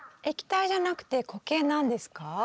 液体じゃなくて固形なんですか？